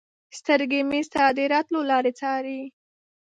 سترګې مې ستا د راتلو لارې څاري